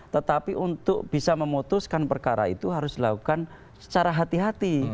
tetapi untuk bisa memutuskan perkara itu harus dilakukan secara hati hati